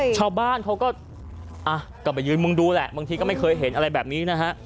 ชาวบ้านเขาก็ไปยืนมึงดูแหละบางทีก็ไม่เคยเห็นอะไรแบบนี้นะฮะ